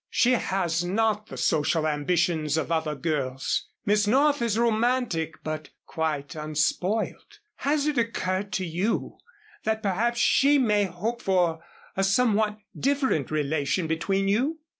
She has not the social ambitions of other girls. Miss North is romantic but quite unspoiled. Has it occurred to you that perhaps she may hope for a somewhat different relation between you?"